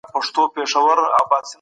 کوم هیواد غواړي واردات نور هم پراخ کړي؟